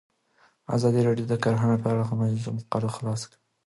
ازادي راډیو د کرهنه په اړه د مجلو مقالو خلاصه کړې.